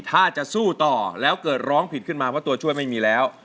ถ้าจะสู้ต่อแล้วเกิดร้องผิดขึ้นมาเพราะตัวช่วยไม่มีแล้ว